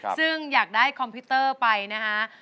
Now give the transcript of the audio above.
ซึ่งอยากได้คอมพิวเตอร์ไปนะคะ